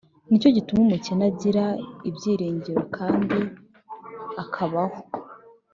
Ni cyo gituma umukene agira ibyiringiro kandi akabaho